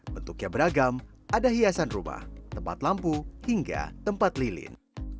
bentuknya beragam ada hiasan rumah tempat lampu hingga tempat lilin